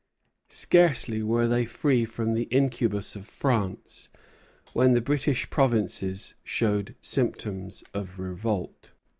Scarcely were they free from the incubus of France when the British provinces showed symptoms of revolt.